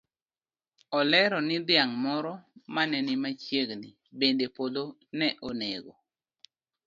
Olero ni dhiang' moro mane ni machiegni bende polo ne onego.